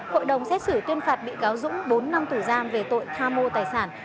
hội đồng xét xử tuyên phạt bị cáo dũng bốn năm tù giam về tội tham mô tài sản